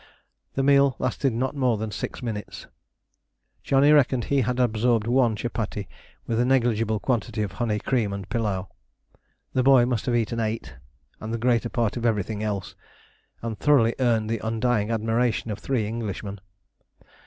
The meal lasted not more than six minutes. Johnny reckoned he had absorbed one chupattie with a negligible quantity of honey, cream, and pilau. The boy must have eaten eight, and the greater part of everything else, and thoroughly earned the undying admiration of three Englishmen.